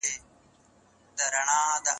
لارښودانو څنګه د غرونو پیچلې لارې پېژندلي؟